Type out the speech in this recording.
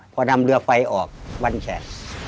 พอนำเรือไฟออกวันแขก